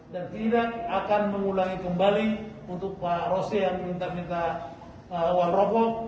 dan tidak akan mengulangi kembali untuk pak rose yang minta uang rokok